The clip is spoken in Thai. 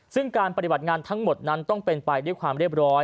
ซึ่งการปฏิบัติงานทั้งหมดนั้นต้องเป็นไปด้วยความเรียบร้อย